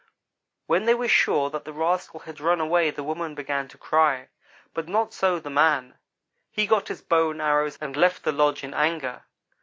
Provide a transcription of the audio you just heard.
"When they were sure that the rascal had run away the woman began to cry, but not so the man. He got his bow and arrows and left the lodge in anger.